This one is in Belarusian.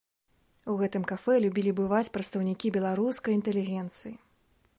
У гэтым кафэ любілі бываць прадстаўнікі беларускай інтэлігенцыі.